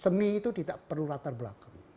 seni itu tidak perlu latar belakang